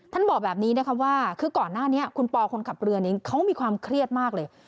ท่านบอกแบบนี้ว่าก่อนหน้านี้คุณปอล์คนขับเรือนเขามีความเครียดมากเลย